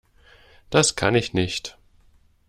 Das kann ich nicht.